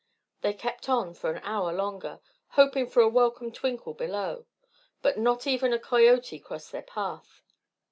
They kept on for an hour longer, hoping for a welcome twinkle below; but not even a coyote crossed their path.